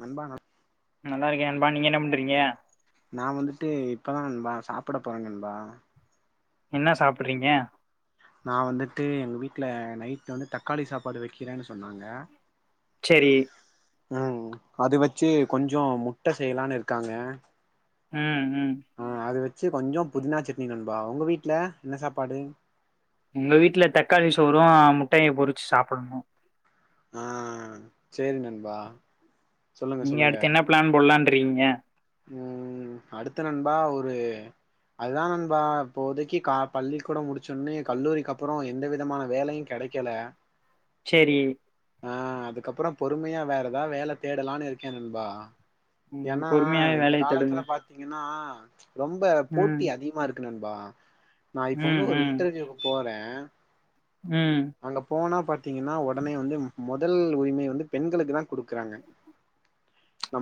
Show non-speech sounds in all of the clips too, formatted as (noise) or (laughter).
நண்பா ந நல்லா இருக்கே நண்பா நீங்க என்ன பண்றீங்க நா வந்துட்டு இப்பதா நண்பா சாப்பட போறே நண்பா என்ன சாப்பிட்றீங்க நா வந்துட்டு எங்க வீட்ல நைட்டு வந்து தக்காளி சாப்பாடு வெக்கிறேனு சொன்னாங்க செரி ம் அது வெச்சி கொஞ்சோ முட்ட செய்லானுருக்காங்க ம் ம் அது வெச்சு கொஞ்சோ புதினா சட்னி நண்பா உங்க வீட்ல என்ன சாப்பாடு இந்த வீட்ல தக்காளி சோறு முட்டைய பொறிச்சு சாப்படணு ஆஹ் சேரி நண்பா சொல்லுங்க நீங்க சொல்லுங்க அடுத்து என்ன பிளான் போட்லான் ட்றீங்க ம் அடுத்து நண்பா ஒரு அதுதா நண்பா இப்போதைக்கு இ பள்ளி கூடோ முடிச்சொன்னே கல்லூரிக்கு அப்புறோ எந்த விதமான வேலையு கெடைக்கல செரி ஆஹ் அதுக்கப்புறோ பொறுமையா வேற எதா வேல தேடலானு இருக்கே நண்பா உம் ஏன்னா பொறுமையா இந்த காலத்துல பாத்தீங்கன்னா (inaudible) ரொம்ப ம் போட்டி அதிகமா இருக்கு நண் பா நா இப்ப ம் வந்து ஒரு ம் இன்டர்வியூக்கு போறே ம் அங்க போனா பாத்தீங்கன்னா ஒடனே வந்து மொதல் உரிமை வந்து பெண்களுக்கு தா குடுக்கறாங்க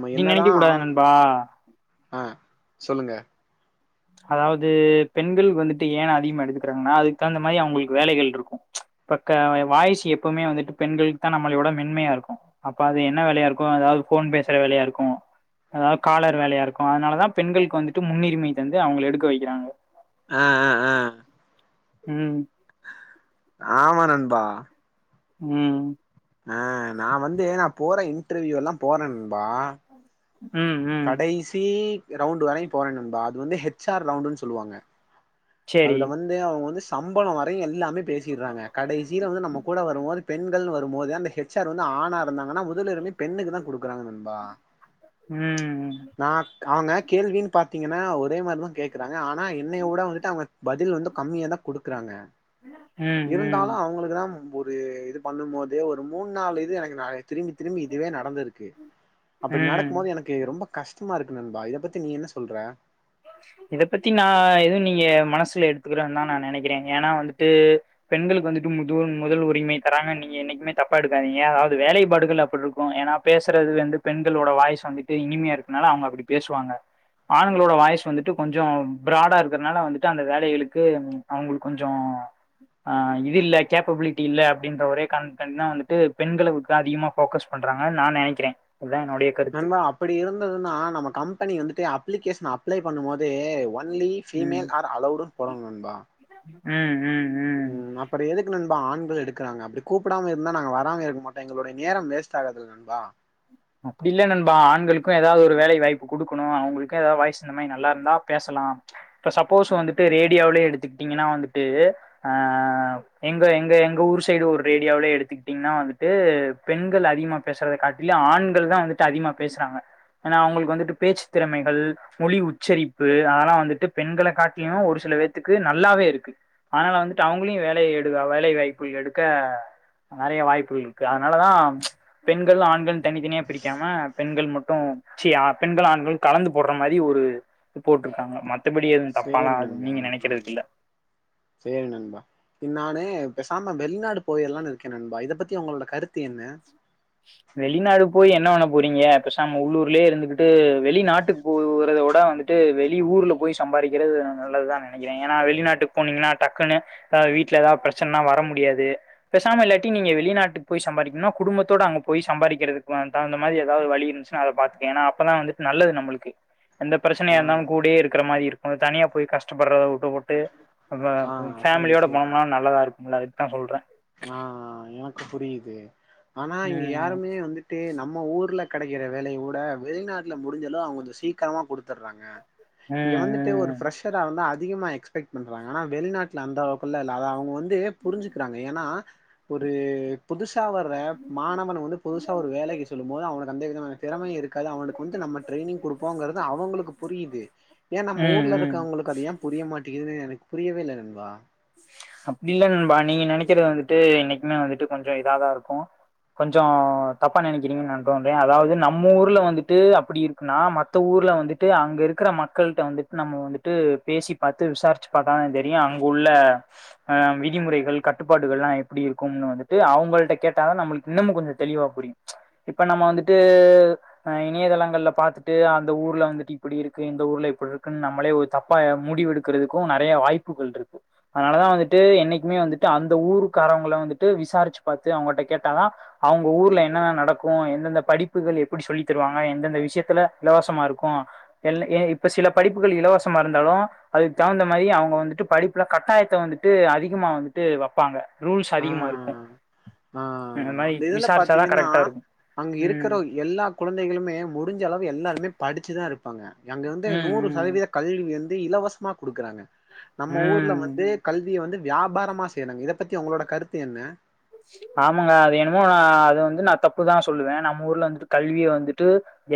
அப்டி நெனைக்க கூடாது நண்பா ஆ சொல்லுங்க அதாவுது பெண்கள் வந்துட்டு ஏன அதிகமா எடுத்துக்கிறாங்கனா அதுக் தகுந்த மாரி அவுங்குளுக் வேலைகள் இருக்கோ ச்ச பக்கா எ வாய்ஸ் எப்போமே வந்துட்டு பெண்களுக்தா நம்மளியோட மென்மையா இருக்கோ அப்ப அது என்னே வேலையா இருக்கோ அதாவது ஃபோன் பேசுற வேலையா இருக்கோ அதாவது காலர் வேலையா இருக்கோ அதுனாலதா பெண்களுக் வந்துட்டு முன்னிரிமை தந்து அவுங்கள எடுக்கா வைக்கிறாங்கே ஆ ஆ ஆ ம் ஆமா நண்பா ம் ஆ, நா வந்து நா போறே இன்டர்வியூ எல்லா போறே நண்பா ம், ம். கடைசி ரவுண்ட் வரையு போறே நண்பா அது வந்து ஹெச் ஆர் ரவுண்டுன்னு சொல்லுவாங்க சரி. அதுல வந்து அவங்க வந்து சம்பளம் வரையு எல்லாமே பேசிட்றாங்க கடைசில வந்து நம்ம கூட வரும்போது பெண்கள்னு வரு ம்மோதா அந்த ஹெச் ஹெச் ஆர் வந்து ஆனா இருந்தாங்கன்னா முதல்வுரிமை பெண்ணுக்குதா குடுக்குறாங்க நண்பா, ம், நா அவங்க கேள்வின்னு பாத்தீங்கன்னா ஒரே மாரிதா கேக்குறாங்க, ஆனா என்னயவுட வந்துட்டு அவங்க பதில் வந்து கம்மியாதா குடுக்குறாங்க, ம், இருந்தாலு ம், அவங்களுக்குதா ஒரு இது பண்ணும்போதே ஒரு மூணு நாலு இது எனக்கு ந திரும்பி திரும்பி இதுவே நடந்திருக்கு அப்டி நடக்கும் ம். போது எனக்கு ரொம்ப கஷ்டமா இருக்கு நண்பா, இத பத்தி நீ என்ன சொல்ற இத பத்தி நா எதுவு நீங்க மனசுல எடுத்துக்கிறேன்னு தா நா நெனைக்கிறே ஏன்னா வந்துட்டு பெண்களுக்கு வந்துட்டு முது முதல் உரிமை தராங்கன்னு நீங்க என்னைக்குமே தப்பா எடுக்காதீங்க அதாவது வேலைப்பாடுகள் அப்டி இருக்கும் ஏன்னா பேசுறது வந்து பெண்களோட வாய்ஸ்சு வந்துட்டு இனிமையா இருக்குனால அவங்க அப்டி பேசுவாங்க, ஆண்களோட வாய்ஸ் வந்துட்டு கொஞ்சோ ப்ராடா இருக்கறனால வந்துட்டு அந்த வேலைகளுக்கு அவங்களுக்கு கொஞ்சோ ஆ இது இல்ல கேப்பபிலிட்டி இல்ல அப்டின்ற ஒரே காரணத்துகான்டிதா வந்துட்டு பெண்களுக்கு அதிகமா போக்கஸ் பண்றாங்கன்னு நா நெனைக்கிறே அதா என்னுடைய கருத்து நண்பா அப்படி இருந்ததுன்னா நம்ம கம்பெனி வந்துட்டு அப்ளிகேஷ நா அப்ளை பண்ணும் போது ஒ ஓன்லி ம் ஃபிமேல் ஆர் அலோடுன் போடனு நண்பா ஆ ஆ ம் அப்புறோ எதுக்கு நண்பா ஆண்கள் எடுக்கறாங்க அப்படி கூப்பிடாம இருந்தா நாங்க வராம இருக்க மாட்டோ எங்களுடைய நேரம் வேஸ்ட் ஆகாதுல நண்பா அப்படி இல்ல நண்பா ஆண்களுக்கு ஏதாவது ஒரு வேலை வாய்ப்பு குடுக்கணு அவங்களுக்கு ஏதாவது வாய்ஸ் இந்த மாரி நல்லா இருந்தா பேசலாம் இப்ப சப்போஸ் வந்துட்டு ரேடியோலயே எடுத்துக்கிட்டீங்கன்னா வந்துட்டு அ எங்க எங்க எங்க ஊர் சைடு ஒரு ரேடியோலயே எடுத்துக்கிட்டீங்கன்னா வந்துட்டு பெண்கள் அதிகமா பேசுறத காட்டிலு ஆண் பெண்கள்தா வந்துட்டுஅதிகமா பேசுறாங்க ஏன்னா அவங்களுக்கு வந்துட்டு பேச்சு திறமைகள் மொழி உச்சரிப்பு அதல்லா வந்துட்டு பெண்கள காட்டிலு ஒரு சில பேத்துக்கு நல்லாவே இருக்கு அதனால வந்துட்டு அவங்களையு வேலை எடு வேலை வாய்ப்புகள் எடுக்க நெறைய வாய்ப்புகள் இருக்கு அதனாலதா பெண்கள் ஆண்கள்னு தனித்தனியா பிரிக்காம பெண்கள் மட்டும் ச்சி பெண்கள் ஆண்கள் கலந்து போடுற மாரி ஒரு போட்டிருக்காங்க ம சேரி நண்பா ஆ சேரி நண்பா இ நானு பேசாம வெளிநாடு போயில்லானு இருக்கே நண்பா இத பத்தி உங்களோட கருத்து என்ன வெளிநாடு போய் என்ன பண்ண போறீங்க பேசாம உள்ளூர்லயே இருந்துகிட்டு வெளிநாட்டுக்கு போறத விட வந்துட்டு வெளி ஊர்ல போய் சம்பாரிக்கிறது நல்லதுதா நெனைக்கிறே ஏன்னா வெளிநாட்டுக்கு போனீங்கன்னா டக்குன்னு வீட்ல ஏதாவது பிரச்சனனா வர முடியாது பேசாம இல்லாட்டி நீங்க வெளிநாட்டுக்கு போய் சம்பாரிக்கணுனா குடும்பத்தோட அங் போய் சம்பாதிக்கிறதுக்கு தகுந்த மாரி ஏதாவது வழி இருந்துச்சுன்னா அத பாத்துக்கே ஏன்னா அப்பதா வந்துட்டு நல்லது நம்மளுக்கு எந்த பிரச்சனையா ஆ இருந்தாலு கூடயே இருக் இருக்கற மாரி இருக்கு தனியா போய் கஷ்டப்படுறத வுட்டு புட்டு அந்த ஆ சேரி ஃபேமிலியோட போனோம்னா நல்லதா இருக்கும்ல அது தா சொல்றே ஆஹ் எனக்கு புரியுது ஆனா இங்க ம் யாருமே வந்துட்டு நம் நம்ம ஊர்ல் கெடைக்கிற வேலய வுட வெளிநாட்டில முடிஞ்சாலு அவங்க சீக்கிரமாக கொடுத்தட்றாங்க இங்க வந்துட்டு ஒரு ம் பிரஷரா வந்து அதிகமா எக்ஸ்பெக்ட் பண்றாங்கனா வெளிநாட்ல அந்தளவுகலா இல்ல அத அவங்க வந் து புரிஞ்சுக்கிறாங்க னா ஒரு புதுசு சா வர மாணவன் வந்து புதுசா ஒரு வேலைக்கு செல்லும் போது அவனுக்கு எந்த விதமான திறமையு இருக்காது அவனுக்கு வந்து நம்ம ட்ரைனிங் கொடுப்போங்கறது அவங்களுக்கு புரியுது ஏ ம் நம்ம ம் ஊர்ல ம் இருக்கவங்களுக்கு அது ஏ புரிய மாட்டிக்குதுன் எனக் புரியவே இல்ல நண்பா அப்டி இல்ல நண்பா நீங்க நெனைக்கறது வந்துட்டு என்னைக்குமே வந்துட்டு கொஞ்சம் இதாதா இருக்கு கொஞ்சம் தப்பா நினைக்கிறீங்கன்னு நா தோன்றே அதாவது நம்ம ஊர்ல வந்துட்டு அப்டி இருக்குன்னா மத்த ஊர்ல வந்துட்டு அங்க இருக்கிற மக்கள்ட்ட வந்துட்டு நம்ம வந்துட்டு பேசி பாத்து விசாரிச்சு பாத்தா தா தெரியு அங்க உள்ள ஆஹ் விதிமுறைகள் கட்டுப்பாடுகல்லா எப்படி இருக்கும்னு வந்துட்டு அவங்கள்ட கேட்டாதா நம்மளுக்கு இன்னமு கொஞ்சம் தெளிவா புரியும் இப்ப நம்ம வந்துட்டு அஹ் இணையதளங்கள்ல பாத்துட்டு அந்த ஊர்ல வந்துட்டு இப்டி இருக்கு இந்த ஊர்ல இப்டி இருக்குன்னு நம்மளே ஒரு தப்பா முடிவெடுக்குறதுக்கு நெறையா வாய்ப்புகள் இருக்கு அனாலதா வந்துட்டு என்னைக்குமே வந்துட்டு அந்த ஊருக்காரவங்கள வந்துட்டு விசாரிச்சு பாத்து அவங்கிட்ட கேட்டாதா அவங்க ஊர்ல என்னென்ன நடக்கு எந்தெந்த படிப்புகள் எப்படி சொல்லி தருவாங்க எந்தெந்த விஷயத்துல இலவசமா இருக்கு எல் எ இப்ப சில படிப்புகள் இலவசமா இருந்தாலு அதுக்கு தகுந்த மாரி அவங்க வந்துட்டு படிப்புல கட்டாயத்த வந்துட்டு அதிகமா வந்துட்டு வப்பாங்க ரூல்ஸ் ஆ அதிகமா இருக்கும் ஆ அந்த இதுல பாத்தீங்கன்னா கரெக்டா இருக்கு அங்க ம் இருக்கிற எல்லா குழந்தைகளுமே முடிஞ்ச அளவு எல்லாருமே படிச்சுதா இருக் பாங்க அங்க வந்து நூறு ம் சதவீத கல்வி வந் இலவசமா கொடுக்குறாங்க ம் நம்ம ஊர்ல ம் வந்து கல்விய வந்து வியாபாரமா செய்றாங்க இத பத்தி ஒங்களோட கருத்து என்ன ஆமங்க அது என்னுமோ ஆ அது வந்து நா தப்புதா சொல்லுவே நம்ம ஊர்ல வந்துட்டு கல்விய வந்துட்டு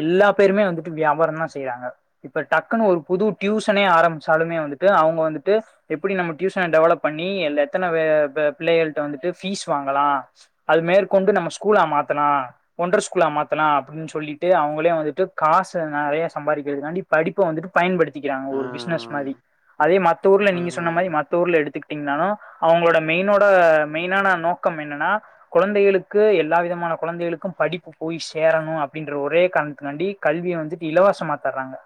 எல்லா பேருமே வந்துட்டு வியாபாரம் தா செய்யறாங்க இப்ப டக்குன்னு ஒரு புது டியூசனே ஆரம்பிச்சாலுமே வந்துட்டு அவங்க வந்துட்டு எப்படி நம்ம டியூசனை டெவலப் பண்ணி ல்ல எத்தன ப பே பிள்ளைகள்ட்ட வந்துட்டு பீஸ் வாங்கலா அது மேற்கொண்டு நம்ம ஸ்கூலா மாத்தலா ஒன்ற ஸ்கூலா மாத்தலா அப்படின் சொல்லிட்டு அவங்களே வந்துட்டு காசு நெறைய சம்பாதிக்கிறதுக்காண்டி படிப்ப வந்துட்டு பயன்படுத்திக்கிறாங்க ஆ ஒரு பிசினஸ் மாதிரி அதே மத்த ஊர்ல ஆ நீங்க சொன்ன மாரி மத்த ஊர்ல எடுத்துக்கிட்டீங்கன்னாலு அவங்களோட மெயினோட மெயினான நோக்கம் என்னன்னா குழந்தைகளுக்கு எல்லா விதமான குழந்தைகளுக்கும் படிப்பு போய் சேரணு அப்படின்ற ஒரே காரணத்துக்காண்டி கல்விய வந்துட்டு இலவசமா தறாங்க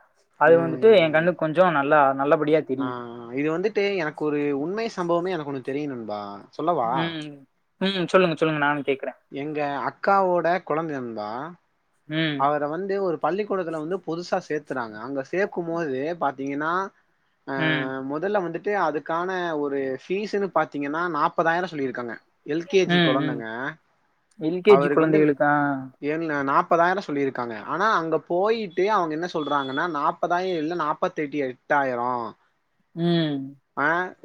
அது வந்துட்டு என் கண்ணுக்கு கொஞ்ச நல்லா நல்லபடியா தெரியுது ஆஹ் இது வந்துட்டு எனக்கு ஒரு உண்மை சம்பவமே எனக்கு ஒன்னு தெரியு நண்பா சொல்லவா ம் ம் சொல்லுங்க சொல்லுங்க நானு கேக்குறே எங்க அக்காவோட கொழந்த நண்பா ம் அவர வந்து ஒரு பள்ளிக்கூடத்துல வந்து புதுசா சேத்துறாங்க அங்க சே க்கும் போது பாத்தீங்கன்னா ம் ஆஹ் முதல்ல வந்துட் ட்டு அதுக்கான ஒரு ஃபீஸ்ன்னு பாத்தீங்கன்னா நாப்பதாயிரம் சொல்லியிருக்காங்க எல் கே ஜி ம் ம் கொழந்தைங்க எல் கே ஜி அவருக்கு வந்து குழந்தைகளுக்கா என் நாப் ப்பதாயிரம் சொல்லியிருக்காங்க ஆனா அங்க போயிட்டு அவங்க என்ன சொல்றாங்கன்னா நாப்பதாயிரம் இல்ல நாப்பத்தட்டு எட்டாயிரோ உம்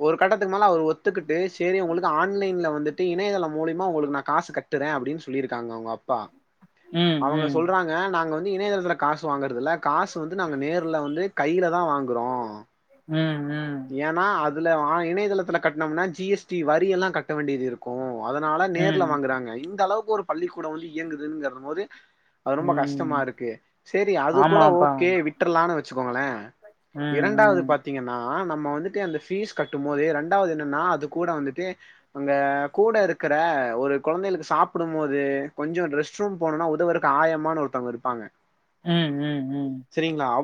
ஒரு கட்டத்துக்கு மேல அவர் ஒத்துக்கிட்டு செரி உங்களுக்கு ஆன்லைன்ல வந்துட்டு இணையதளம் மூலிமா உங்களுக்கு நான் காசு கட்டுறேன் அப்படின்னு சொல்லியிருக்காங்க அவங்க அப்பா ம் அவங்க ம் சொல்றாங்க நாங்க வந் வந்து இணையதளத்துல காசு வாங்குறது இல்ல காசு வந்து நாங்க நேர்ல வந்து கையில தான் வாங்குறோம் உம் ஏன்னா அத் இணையதளத்தில் கட்டணும்னா ஜி எஸ் டி வரியெல்லாம் கட்ட வேண்டியது இரு அதனால நேர்ல ம் வாங்குறாங்க இந்த அளவுக்கு ஒரு பள்ளிக்கூட வந்து இயங்குதுங்கற போது அது ரொம்ப ம் கஷ்டமா இருக்கு செரி அது கூட ஆமாப்பா ஓகே விட்டுரலான்னு வெச்சுக்கோங்களேன் ம் இரண்டாவது ம் பாத்தீங்கன்னா ஆ நம்ம வந்துட்டு அந்த ஃபீஸ் கட்டும் போது ரெண்டாவது என்னன்னா அது கூட வந்துட்டு அங்க கூட இருக்குற ஒரு கொழந்தைகளுக்கு சாப்பிடும் போது கொஞ்சம் ரெஸ்ட் ரூம் போனும்னா உதவக்கு ஆயமான்னு ஒருத்தங்க இருப்பாங்க உம் உம் உம்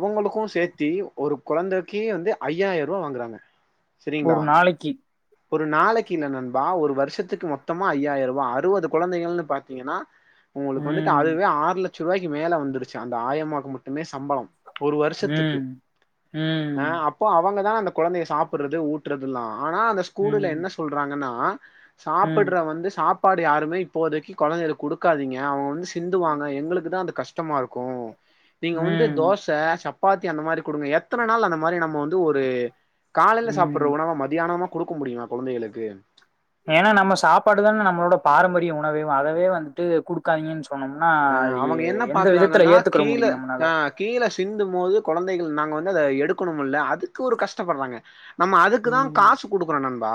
அவங்களுக்கும் சேர்த்தி ஒரு கொழந்தைக்கெ வந்து ஐயாயிரம் ரூவா வாங்குறாங்க சரிங்களா ஒரு நாளைக்கு ஒரு நாளைக்குல நண்பா ஒரு வருஷத்துக்கு மொத்தமா ஐயாயிரம் ரூபாய் அறுபது கொழந்தைகள்ன்னனு பாத்தீங்கன்னா உங்களுக்கு வந்துட்டு ம் அதுவே ஆறு லட் சுூவாய்க்கு மேலே வந்துடுச்சு அந்த ஆயமாவுக்கு மட்டுமே சம்பளம் ஒரு வருஷத்துக்கு ம் ம் அஹ் அப்போ அவங்க தா அந்த கொழந்தைய சாப்பறது ஊட்டுறதுல்லா ஆனா அந்த ஸ்கூலுல ம் என்ன சொல்றாங்கன்னா ஆ ம் சாப்புட்றா வந்து சாப் பாடு யாருமே இப்போதைக்கி கொழந்தைகளு குடுக்காதீங்கே அவுங்கே வந்து சிந்துவாங்க எங்குளுக்குதா அந்த கஷ் ஷ்டமா இருக்கோ நீங்கே வந்து ம் தோச சப் பாத்தி அந்த மாரி குடுங்க எத்தன நாள் அந்த மாரி நம்மோ வந்து ந்து ஒரு காலைல ம் சாப்டுற உணவ மதியானமா குடுக்க முடியம். கொழந்தைகளுக்கு. ஏன்னா நம்ம சாப்பாடுதனே நம்ளோட பாரம்பரிய உணவேம் அதவே வந்ட்டு குடுக்காதீங்கன் சொ அஹ்ன் அவங்க என்ன பாக்குறாங்கன்னா ஏத்துக்கிற கீழே முடியு நம்மனால அஹ்ன் கீழே சிந்தும் மோது குழந்தைகள் நாங்க வ ன்னத எடுக்குனுமுல்லே அதுக்கு ஒரு கஷ்டப்பட்றாங்கே நம்ம அதுக்குதா ம் காசு குடுக்றோ நண்பா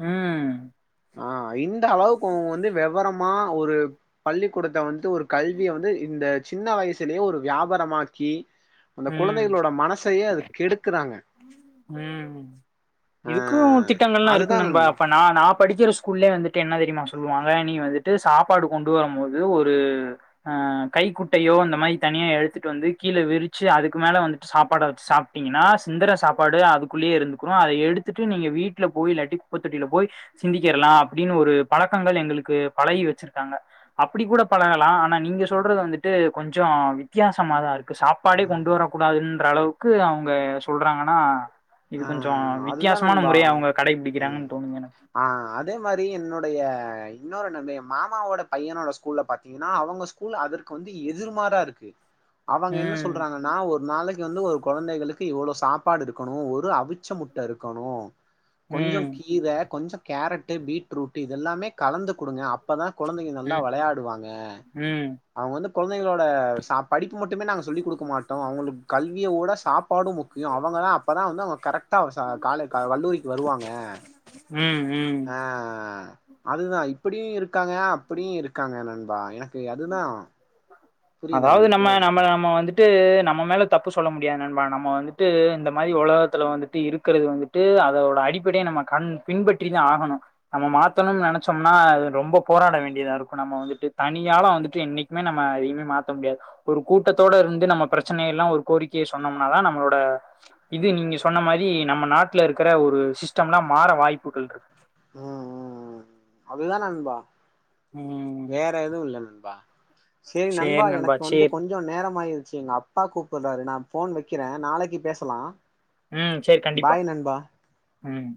ம் ஆ இந்த அளவுக்கோ வந்து வெவரமா மா ஒரு பள்ளிக்கூடத்த வந் து ஒரு கல்விய வந்து இந்த சின்ன வயசிலியோ ஒரு வியாபாரமாக்கி அந்த ம் குழந்தைகளோட மனசையே அது கெடுக்குறாங்க ம் ஆ இதுக்கும் திட்டங்கல்லாம் இருக்கு நண்பா அப்ப நா நா படிக்கிற ஸ்கூல்லயே வந்துட்டு என்ன தெரியுமா சொல்லுவாங்க நீ வந்துட்டு சாப்பாடு கொண்டு வருமோது ஒரு அஹ்ன் கை குட்டையோ அந்த மாரி தனியா எடுத்துட்டு வந்து கீழ விரி ச்சி அதுக்கு மேல வந்துட்டு சாப்பாட வச்சு சாப்ட்டீங்கன்னா சிந்திர சாப்பாடு அதுக்குள்ளேயே இருந்துக்குரும் அத எடுத்துட்டு நீங்க வீட்ல போய் இல்லட்டி குப்ப தொட்டில போய் சிந்திகிரலாம் அப்டின்னு ஒரு பழக்கங்கள் எங்களுக்கு பழகி வச்சிருக்காங்க, அப்டி கூட பழகலாம் ஆனா நீங்க சொல்றது வந்துட்டு கொஞ்சம் வித்தியாசமா தான் இருக்கு படி கொண்டு ம் வரக்கூடாதுன்ற அளவுக் அவுங்க சொல்றாங்கன்னா இது ஆ கொஞ்சோ அதுதா வித்தியாசமான நண்பா முறைய அவங்க ம் கடைபிடிக்கிறாங்கன்னு தோணுது எனக்கு ஆ அதே மாரி என்னொடைய இன்னோரு நெந்தய மாமாவோட பையனோட ஸ்கூல்லே பாத்தீங்னா அவுங்க ஸ்கூல் அதற்கு வந்து எதிர்மாரா இருக்கு அவங்க என்ன ம் சொல்றாங்கன்னா ஒரு நாளை க வந்து ஒரு குழந்தைகளுக்கு இவ்ளோ சாப்பாடுருக்கணோ ஒரு ரு அவிச்ச முட்ட இருக்கணோ கொஞ்சம் ம் கீரை கொஞ்சம் கேரட்டு பீட்ரூட்டு இதெல்லாமே கலந்து குடுங்க அப்பதா கொழந்தைங்க நல்லா ம் வெளையாடுவாங்க ம் அவுங்க வந்து கொழந்தைகளோட சாப்‌ படிப்பு மட் திம்மே நாங்க சொல்லி குடு மாட்டோம் அவுங்களுக்கு கல் இனியவோட சாப்பாடும் முக்கியம், அவங்க தான் அப்பதான் வந்து அவுங்க கரக் ப காலை வல்லூரிக்கு வருவாங்க ம் ம் ஆஹ் அதுதான் இப்படியும் இருக்காங்க அப்படியும் இருக்காங்க நண்பா எனக்கு அதுதான் அதாவது நம்ம நம்ம நம்ம வந்துட்டு நம்ம மேல தப்பு சொல்ல முடியாது நம்ம வந்துட்டு இந்த மாதிரி உலகத்துல வந்துட்டு இருக்கிறது வந்துட்டு அதோட அடிப்படைய நம்ம கண் பின்பற்றிதான் ஆகணும் நம்ம மாத்தணும்னு நினைச்சோம்னா ரொம்ப போராட வேண்டியதா இருக்கும் நம்ம வந்துட்டு தனி நீயாலாம் வந்துட்டு என்னைக்குமே நம்ம அதையுமே மாத்த முடியாது ஒரு கூட்டத்தோட இருந்து நம்ம பிரச்சனைலாம் ஒரு கோரிக்கையை சொன்னோம்னாதான் நம்மளோட இது நீங்க சொன்ன மாதிரி நம்ம நாட்டுல இருக்கிற ஒரு சிஸ்டம் எலாம் மாற வாய்ப்புகள் இருக்கு உம் உம் ம் அதுதான் நண்பா ம். வேற எதுவும் இல்ல நண்பா செரி நண்பா சேரி எனக்கு வந்து சேரி. கொஞ்சம் நேரம் ஆயிருச்சு எங்க அப்பா கூப்பிடுறாரு ஃபோன் வெக்கிறேன் நாளைக்கு பேசலாம் உம் செரி கண்டிப்பா உம்